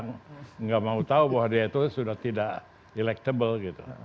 tidak mau tahu bahwa dia itu sudah tidak electable gitu